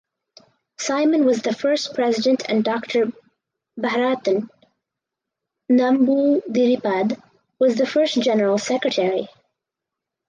Simon was the first president and Doctor Bharathan Namboodiripad was the first General Secretary.